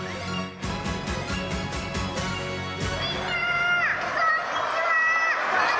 みんな、こんにちは！